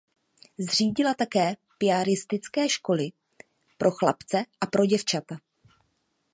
Zřídila také piaristické školy pro chlapce a pro děvčata.